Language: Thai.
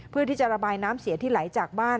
เพื่อที่จะระบายน้ำเสียที่ไหลจากบ้าน